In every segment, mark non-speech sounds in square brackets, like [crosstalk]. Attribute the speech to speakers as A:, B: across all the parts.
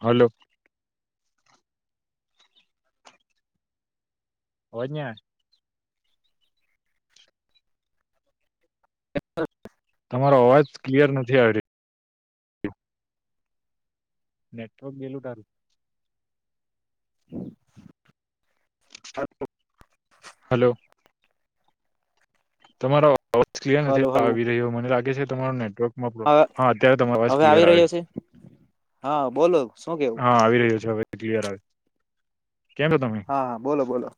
A: Hello. અવાજ ની આવે? તમારો અવાજ ક્લિયર નથી આવીરયો. નેટવર્ક ગેલું ટારું.
B: [inaudible]
A: હલો. તમારો અવ ક્લિયર નથી
B: હલો હલો
A: આવી રહ્યો મને લાગે છે, તમારો નેટવર્ક મા પ્રો, હા અત્યારે તમારી અવાજ
B: હવે
A: ક્લિયર
B: આવી
A: આવે
B: રહ્યો છે હા બોલો શું કેવું?
A: હા આવી રહ્યો છે હવે ક્લિયર આવે કેમ છો તમે
B: હા હા બોલો બોલો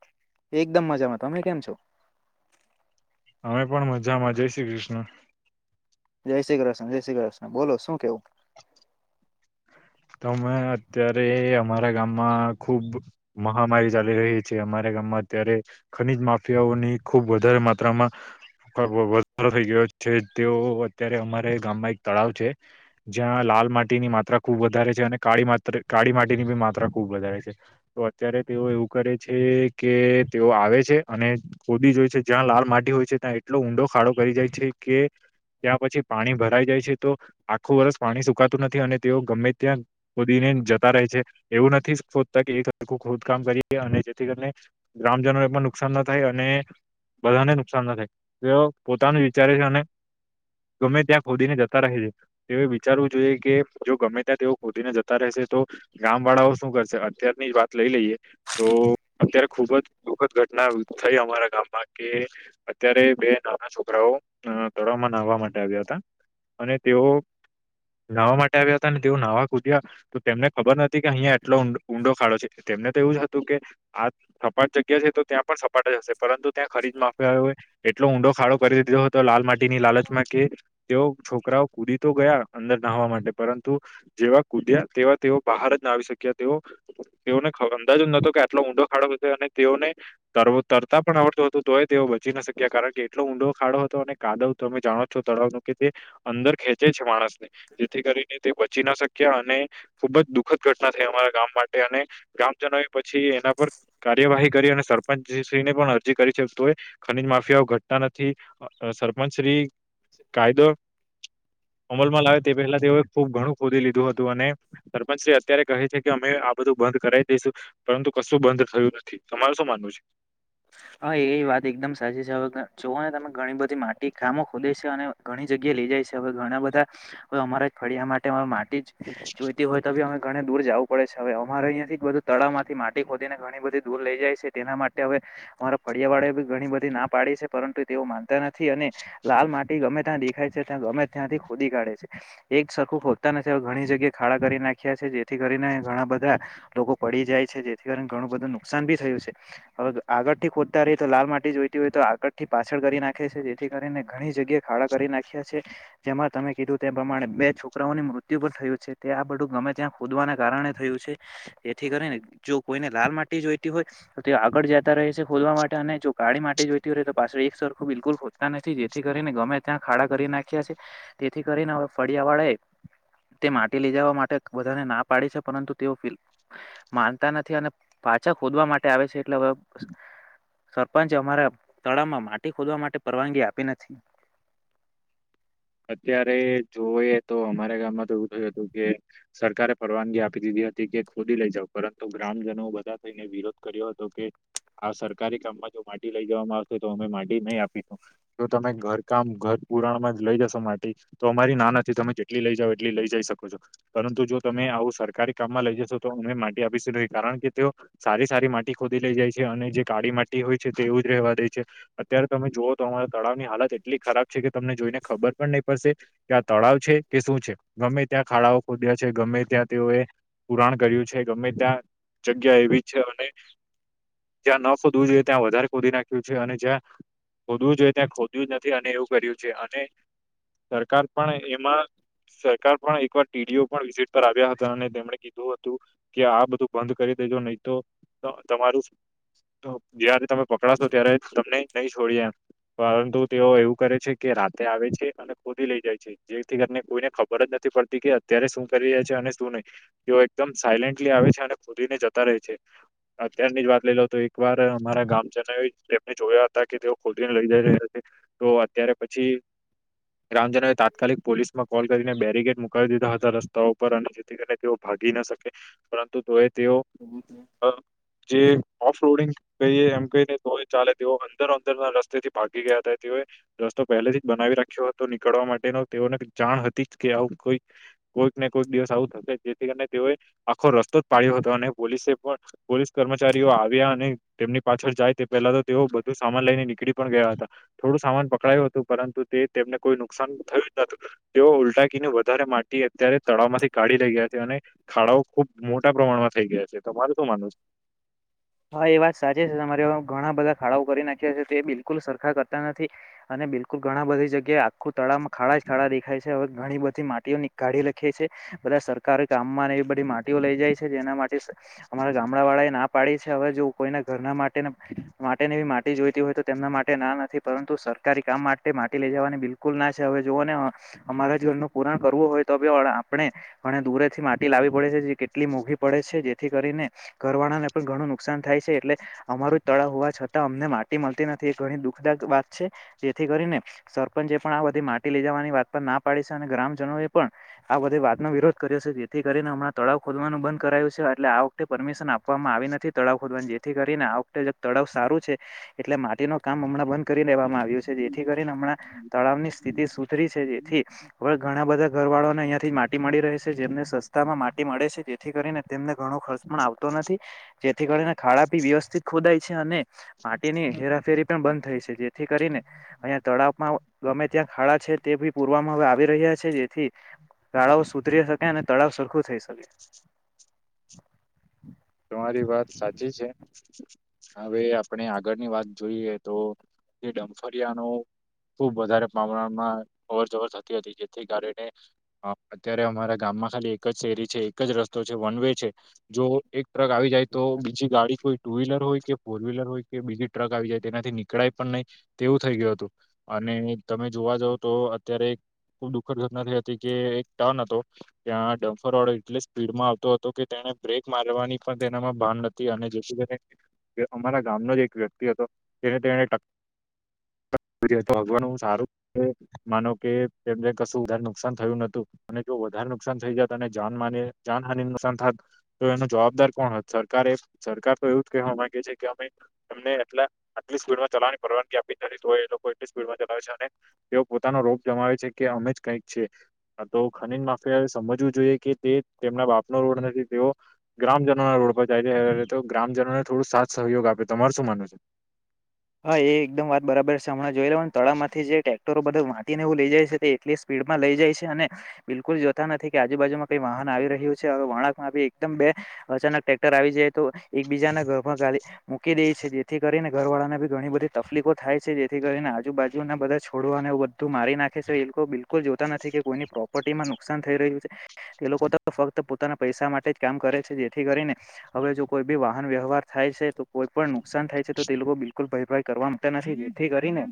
B: એકદમ મજામાં તમે કેમ છો?
A: અમે પણ મજામાં જય શ્રી કૃષ્ણ.
B: જય શ્રી કૃષ્ણ જય શ્રી કૃષ્ણ બોલો શું કેવું?
A: તમે અત્યારે અમારા ગામમાં ખુબ મહામારી ચાલી રહી છે, અમારા ગામમાં અત્યારે ખનીજ માફિયાઓ ઓની ખુબ વધારે માત્રામાં અ વ વધારો થઈ ગયો છે, તેઓ અત્યારે અમારે ગામમાં એક તળાવ છે, જ્યાં હાલ માટીની માત્રા ખુબ વધારે છે અને કાળી માત્ર કાળી માટીની બી માત્રા ખુબ વધારે છે તો અત્યારે તેઓ એવું કરે છે. કે તેઓ આવે છે અને કોદી જોય છે જ્યાં લાલ માટી હોય છે ત્યાં એટલો ઊંડો ખાડો કરી જાય છે. કે ત્યાં પછી પાણી ભરાઈ જાય છે તો આખું વર્ષ પાણી સુકાતું નથી અને તેઓ ગમે ત્યાં ખોદીને જતા રહે છે એવું નથી શોતા કે એક આખું ખોદકામ કરીએ અને જેથી કરીને ગ્રામજનોને એ પણ નુકસાન ના થાય અને બધાને નુકસાન ના થાય તેઓ પોતાનું વિચારે છે અને ગમે ત્યાં ખોદીને જતા રહે છે તે વિચારવું જોઈએ કે જો ગમે અ તેઓ ખોદીને જતા રહેશે તો ગામ વાળાઓ શું કરશે અત્યારની જ વાત લઈ લઈએ તો અત્યારે ખુબ જ દુઃખદ ઘટના થઈ અમારા ગામમાં કે અત્યારે બે નાના છોકરાઓ અ તળમાં નહવા માટે આવ્યા હતા અને તેઓ નાહવા માટે આ તેઓ નહવા કૂદ્યા તો તેમને ખબર નથી કે અહિયાં એટલો ઊંડો ખાડો છે તેમને તો એવું જ હતું કે હા થપાટ જગ્યા છે તો પણ સપાટ જ હશે પરંતુ ત્યાં ખરીજ માફિયાઓએ એટલો ઊંડો ખાડો કરી દીધો હતો લાલ માટી ની લાલચમાં કે તેઓ છોકરાઓ કૂદી તો ગયા અંદર નાહવા માટે પરં તુ જેવા કુદ્યા તેવા તેઓ બહાર જ ના આવી શક્યા તેઓ તેઓને અંદાજ નતો કે આટલો ઊંડો ખાડો હતો અને તેઓને ત તરતા પણ આવડતતો હતો તો એ તેઓ બચી ના શક્યા કારણ કે એટલો ઊંડો ખા ખાડો હતો અને કાદવ તમે જાણો છો તળાવ નું કે તે અંદર ખેંચે છે માણસ ને જેથી કરી શક્યા અને ખુબ જ દુઃખદ ઘટના થઈ અમારા ગામ માટે અને ગ્રામજનો એ પછી એના પર કાર્યવાહી કરી અને સરપંચ શ્રીને પણ અરજી કરી છે તો ખનીજ માફિયાઓ ઘટતા નથી. સરપંચ શ્રી કાયદો અમલમાં લાવે તે પહેલા તેઓએ ખુબ ઘણું ખોદી લીધું હતું અને સરપંચ શ્રી અત્યારે કહે છે કે અમે આ બધું બંધ કરાવી દઈશુ પરંતુ કશું બંધ થયું નથી તમારું શું માનવું છે.
B: હા એ વાત એકદમ સાચી છે હવે જોઓ ને તમે. ઘણી બધી માટી કામો ખોલે છે અને ઘણી જગ્યાએ લઈ જાય છે હવે ઘણા બધા અમારા ફળિયા માટે માટી જોઈતી હોય તો બી અમે ઘણી દૂર જવું પડે છે હવે અમારે અહીંથી બધું તળાવ માંથી માટી ખોદીને ઘણી બધી દૂર લઈ જાય છે તેના માટે હવે અમારા ફડિયા વાળા બી ઘણી બધી ના પાડી છે પરંતુ તેઓ માનતા નથી અને લાલ માટી ગમે ત્યાં દેખાય છે ત્યાં ગમે ત્યાંથી ખોદી કાઢે છે એક સરખું ખોદતા નથી ઘણી જગ્યાએ ખાડા કરી નાખ્યા છે. જેથી કરીને ઘણા બધા લોકો પડી જાય છે જેથી કરીને ઘણું બધું નુકસાન ભી થયું છે હવે આગળ થી ખોદતા રેતો લાલ માટી જોઈતી હોય તો આગળ થી પાછળ કરી નાખે છે જેથી કરીને ઘણી જગ્યાએ ખાડા કરી નાખ્યા છે જેમાં તમે કીધું તે પ્રમાણે બે છોકરાઓની મૃત્યુ પણ થયું છે તે આ બધું ગમે ત્યાં ખો દવાના કારણે થયું છે જેથી કરીને જો કોઈને લાલ માટી જોઈતી હોય તો તે આગળ જાય રહે છે ખોલવા માટે અને જો ગાળી માટે જોઈતી હોય તો પાછળ એક સરખું બિલકુલ ખોદતા નથી જેથી કરીને ગમે ત્યાં ખાડા કરી નાખ્યા છે તેથી કરીને હવે ફળિયા વાળાએ તે માટી લઈ જવા માટે બધાને ના પાડી છે પરંતુ તેઓ માનતા નથી અને પાછા ખોદવા માટે આવે છે એટલે હવે સરપંચે અમારા તળાવમાં માટી ખોદવા માટે પરવાનગી આપી નથી
A: [inaudible] અત્યારે જોવઈએ તો અમારા ગામમાં તો એવું થયું હતું કે સરકારે પરવાનગી આપી દીધી. હતી કે ખોદી લઈ જાવ પરંતુ ગ્રામજનો બધા થઈને વિરોધ કર્યો હતો કે આ સરકારી કામ માટી લઈ જવામાં આવશે તો અમે માટી નહી આપીશ જો તમે ઘર કામ ઘર પુરાણ માં જ લઈ જશો માટે તો અમારી નાનાથી તમે જેટલી લઈ જઓ એટલી લઈ જઈ શકો છો પરંતુ જો તમે આવું સરકારી કામ લઈ જશો તો અ માટી આપીશ કારણ કે તેઓ સારી સારી માટી ખોદી લઈ જાય છે અને જે કાળી માટી હોય છે તેવું જ રેય દે છે અત્યારે તમે જુઓ તો અમારા તળાવની હાલત એટલી ખરાબ છે કે તમને જોઈને ખબર ખબર નહીં પડશે કે આ તળાવ છે કે શું છે ગમે ત્યાં ખાડાઓ ખોધે છે ગમે ત્યાં તેઓએ પુરાણ કર્યું છે ગમે ત્યાં જગ્યા એવી છે અને જ્યાં ન ખોદવું જોઈએ ત્યાં વધારે ખોદી નાખ્યું. અને જ્યાં ખોદવું જોઈએ ત્યાં ખોદ્યું નથી અને એવું કર્યું છે અને સરકાર પણ એમાં સરકાર પણ એકવાર ટીડીઓ પણ વિઝિટ પર આવ્યા હતા અને તેમણે કીધું હતું કે આ બધું બંધ કરી જ નહી તો તમારું જારે તમે પકડાશો ત્યારે તમને નહીં છોડીએ પરંતુ તેઓ એવું કરે છે કે રાતે આવે છે અને ખોદી લઈ જાય છે જેથી કરીને કોઈને ખબર જ નથી પડતી કે અત્યારે શું કરી રહ્યા છે અને શું નહી તો એકદમ સાયલેન્ટલી આવે છે અને ખોદીને જતા રહે છે અત્યારની જ વાત લઈ લ તો એક વાર અમારા ગામજનો એમને જોયા હતા કે તેઓ ખોદી ને લઇ જઈ રહ્યા છે તો અત્યારે પછી રામજનોએ તાત્કાલિક પોલીસમાં કોલ કરીને બેરીગેડ મુકાવ દીધા હતા. રસ્તા પર અને જેથી કરીને તેઓ ભાગી ના શકે પરંતુ તે એ તેઓ જે ઓફ રોડિંગ કહીએ એમ કહીને તો ચાલે તેઓ અંદર અંદર ના રસ્તે થી ભાગી ગયા હતાાય તેઓએ તો પહે જ બનાવી રાખ નીકળવા માટેનો તેઓને જાણ હતી જ કે આવું કોઈ કોઈક ને કોઈક દિવસ આવું થશે જેથી અને તેઓએ આખો રસ્તો જ પાડ્યો હતો અને પોલીસે પણ પોલીસ કર્મચારીઓ આવ્યા અને તેમની કમ્પ્લેન પાછળ જાય તે પહેલા તો તેઓ બધું સામાન લઈને નીકળી પણ ગયા હતા. થોડું સામાન પકડાયું હતું પરંતુ તે તેમને કોઈ નુકસાન થયું જ નતું તેઓ ઉલટાકીને વધારે માટી અત્યારે તળાવ માંથી કાઢી રહી ગયા અને ખાડાઓ ખુબ મોટા પ્રમાણમાં થઇ ગયા છે. તોરું શું માનું છે?
B: હા, એ વાત સાચી છે તમારે ઘણા બધા ખાડાઓ કરી નાખ્યા છે, તે બિલકુલ સરખા કરતા નથી અને બિલકુલ ઘણા બધી જગ્યાએ આખું તળામાં ખાડા જ થાડા દેખાય છે, હવે ઘણી બધી માટીઓની કાઢી લખી છે. બધા સરકારી કામમાંને એવી બધી માટીઓ લઈ જાય છે. જેના માટે અમારા ગામડા વાળા એ ના પાડી હવે જો કોઈને ઘરના માટે માટેની માટી જોઈતી હોય તો તેમના માટે ના નથી પરંતુ સરકારી કામ માટે માટી લઈ જવાની બિલકુલ ના છે. હવે જોને અમારા જનું પુરાણ કરવું હોય તો આપણે દૂરે થી માટી લાવી પડે છે, જે કેટલી મોઘી પડે છે જેથી કરીને ઘરવાળા ને પણ ઘણું નુકસાન થાય છે, એટલે અમારા તળાવ હોવા છતાં અમને માટી મળતી નથી એ ઘણી દુઃખ દક વાત છે. જેથી કરીને સરપંચે પણ આ બધી માટી લઈ જવાની વાત પર ના પાડી છે, અને ગ્રામજનોએ પણ બધી વાતનો વિરોધ કર્યો છે જેથી કરીને હમણાં તળાવ ખોલવાનું બંધ કરાયું છે, એટલે આ વખતે પરમિશન આપવામાં આવી નથી તળાવ ખોદવા જેથી કરીને આ વખતે તળાવ સારું છે, એટલે માટીનો કામ હમણાં બંધ કરી લેવામાં આવ્યું છે, જેથી કરીને હમણાં તળાવની સ્થિતિ સુધરી છે, જેથી હવે ઘણા બધા ઘર વાળા ને અહંથી જ માટી મામાંડી રહે છે, જેમને સસ્તી રસ્માં માટી મળે છે, જેથી કરીને તેમને ઘણો ખર્ચ પણ આવતો નથી. જેથી કરીને ખાડા વ્યવસ્થિત ખોદાય છે અને માટીની હેરાફેરી પણ બંધ થાય છે, જેથી કરીને અહીંયા તળાવમાં ગમે ત્યાં ખાડા છે, તે ભી પૂરવામાં હ આવી રહ્યા છે, જેથી ગાળાઓ સુધરી શકે, અને તળાવ સરખું થઈ શકે.
A: તમારી વાત સાચી છે. હવે આપણે આગળની વાત જોઈએ, તો જે ડમફરિયા નો ખુબ વધારે પ્રમાણમાં અવર જવર થતી હતી જેથી કારને અત્યારે અમારા ગામ એમાં ખાલી એક જ શેરી છે, એક જ રસ્તો છે, વન વે છે જો એક ટ્રક આવી જાય તો બીજી ગાડી કોઈ ટુ વ્હીલર હોય કે, ફોર વ્હીલર હોય કે, બીજી ટ્રક આવી જાય તેનાથી નીકળાય પણ નહી તેવું થઈ ગયું હતું. અને અને તમે જોવા જાવ તો અત્યારે ખુબ દુખદ ઘટના ર હતી કે એક ટર્ન હતો ત્યાં ડમ્ફર ઓડો એટલે સ્પીડમાં આવતો હતો કે બ્રેક મારવાની પણ તેનામાં ભાન નથી, અને જે શ અમારા ગામનો જ એક વ્યક્તિ હતો જેને તેને ટક્કર હવાનું સારું માનો કે તેમને કશું ઉધારે નુકસાન થયું નતું અને જો વધારે નુકસાન થઈ જત અને જાનહાની નુકસાન થાય તો એનો જવાબદાર કોણ સરકારે, સરકાર તો એવું જ કહેવા માંગે છે કે અમે એમનેટલા આટલી સ્પીડમાં ચલાવાની પરવાનગી આપી નથી તોય એ લોકો એટલી સ્પીડ ચલાવે છે, અને તેઓ પોતાનો રોગ જમાવે છે, કે અમે જ કઈક છે. તો ખનીન માફિયા સમજવું જોઈએ કે તે તેમના બાપનો રોડ નથી, તેઓ ગ્રામ જનો રોડ પર જાય છે, ત તો ગ્રામજનોને થોડું સાથ સહયોગ આપે. તમારું શું માન છે?
B: હા એ એકદમ વાત બરાબર સાભણા જોઈ લ તળાવમાંથી જેટે વાંટી નેવું લઈ જાય છે, તે એટલી સ્પીડમાં લઈ જાય છે, અને બિલકુલ જોતા નથી કે આજુ બાજુમાં કઈ વહન આવી રહ્યું છે, હ વણાકમાં એકમ બે અચાનક ટ્રેક્ટર આવી જાય તો એકબીજાના ઘરમાં ગાડી મૂકી દે છે. જેથી કરીને ઘરવાળાને બી ઘણી બધી તકલીફો થાય છે, જેથી કરીને આજુ બાજુ ના બધા છોડવા અને બધું મારી નાખે છે, એ લોકો બિલકુલ તા નથી કે કોઈની પ્રોપર્ટીમાં નુકસાન થઈ રહ્યું છે, તે લોકો ફક્ત પોતાના પૈસા માટે જ કામ કરે છે. જેથી કરીને હવે જો કોઈ બી વાહન વ્યવહાર થાય છે તો કોઈ પણ નુકસાન થાય છે, તો તે લોકો બિલકુલ બિલકુલ ભરપાઈ કરવા માટે નથી જેથી કરીને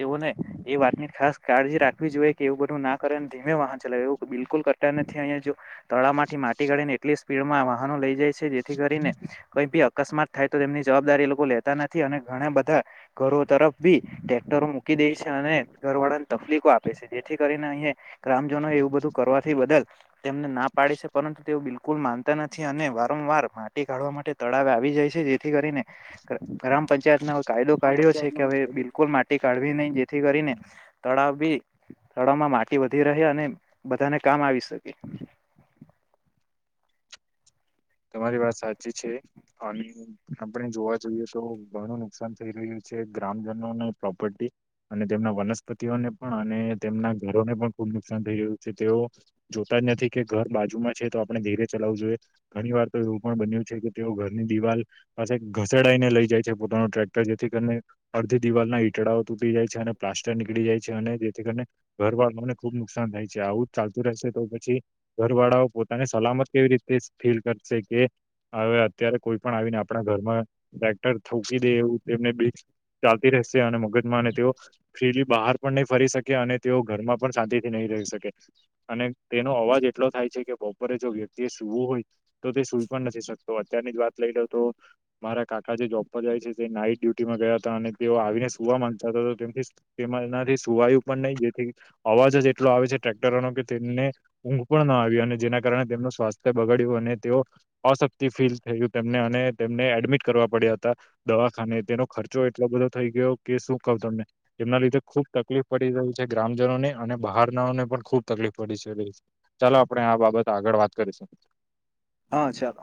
B: તેઓને એ વાતની ખાસ કાળજી રાખવી જોઈએ કે એવું બધું ના કરે ને ધીમે વાહન ચલાવે એવું બિલકુલ કર તા નથી અહીંયા જો તળાવમાંથી માટી કાઢી એટલી સ્પીડ વાહનો લઈ જાય છે, જેથી કરીને અકસ્માત થાય તો તેમની જવાબદારી એ લોકો લેતા નથી, અને ઘણા બધા ઘરો તરફ બી ટટેક્ટરો મૂકી દે છે અને ઘર વાળાને તકલીફો આપે છે જે થી કરીને અહી ગ્રામજનો એવું બધું કરવાથી બદલ તેમને ના પાડી છે, પરંતુ તેઓ બિલકુલ માન નથી અને વારંવાર માટી કાઢવા માટે તળાવ આવી જાય છે જેથી કરીને ગ્રામં પંચ ત હવે કાયદો
A: ગ્રામ
B: કાઢ્યો છે કે
A: પંચાયતનો
B: હવે
A: ફાયદો
B: બિલકુલ માટી કાઢવી નહી થી કરીને તળાવ બી તળાવમાં માટી વધી રહે અને બધાને કામ આવી શકે
A: [inaudible] તમારી વાત સાચી છે અને આપણે જોવા જઈએ તો ઘણું નુકસાન થઈ રહ્યું છે. છે ગ્રામજનો ને પ્રોપર્ટી અને તેમના વનસ્પતિઓને પણ અને તેમના ઘરોને પણ ખુબ નુકસાન થઈ રહ્યું છે તેઓ જોતા નથી કે ઘર બાજુમાં છે તો આપણે ધીરે ચલાવવું જોઈએ. ઘણી વાર તો એવું પણ બન્યું છે કે તેઓ ઘરની દિવાલ પાસે ઘસેડાઈને લઈ જાય છે પોતાનું ટ્રેક્ટર જેથી અડધી દીવાલ ના ઈટડાઓ તૂટી જાય છે અને પ્લાસ્ટર નીકળી જાય છે અને જેથી કરીને ઘરવાળ ખૂબ નુકસાન થાય છે આવું જ ચાલતું રહેશે તો પછી ઘર વાળાઓ પોતાની સલામત કેવી રીતે ફીલ કરશે કે હવે અત્યારે કોઈ પણ આવીને આપણા ઘરમાં ટક્ટર થોકી દે એવું તેમને ચાલતી રહેશે અને મગજમાંને તેઓ ફ્રીલી બહાર પણ ન ફરી શકે અને તેઓ ઘરમાં પણ શાંતિથી નહી રહી શકે અને તેનો અવાજ એટલો થાય છે કે ઉપ જો વ્યક્તિ તો તે સુઈ પણ નથી શકતો અત્યારની જ વાત લઈ લો તો મારા કાકા જે જોબ જાય છે તે નાઈટ ડ્યુટીમાં ગયા હતા અને તેઓ આવીને સુવા માંગતા હતા તેમથી તેમાં એનાથી વાય પણ નહી જેથી અવાજ જ એટલો આવે છે, ટ્રેક્ટરોનો કે તેને ઊંઘ પણ ના આવી અને જેના કારણે કારણે તેમનું સ્વાસ્થ્ય બગડ્યું અને તેઓ અશક્તિ ફીલ થયું અને તેમને એડમિટ કરવા પડ્યા હતા દવાખાને તે નો ખર્ચો એટલો બધો થઈ ગયો કે શું કહુ તમને એમના લીધે ખુબ તકલીફ પડી રહી છે ગ્રામજનો ને અને બહાર નાને પણ ખુબ તકલીફ પડી છે ચાલો આપણે આ બાબતે આગળ વાત કરીશું
B: હા ચાલો